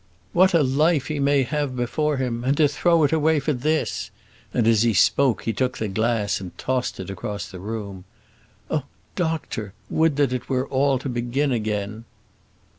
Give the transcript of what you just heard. "What a life he may have before him! and to throw it away for this!" and as he spoke he took the glass and tossed it across the room. "Oh, doctor! would that it were all to begin again!"